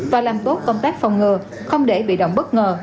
và làm tốt công tác phòng ngừa không để bị động bất ngờ